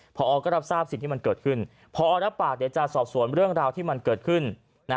พอก็รับทราบสิ่งที่มันเกิดขึ้นพอรับปากเดี๋ยวจะสอบสวนเรื่องราวที่มันเกิดขึ้น